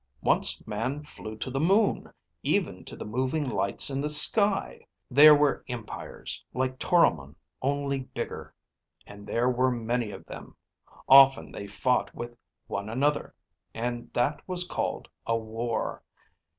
Once man flew to the moon, even to the moving lights in the sky. There were empires, like Toromon, only bigger. And there were many of them. Often they fought with one another, and that was called a war.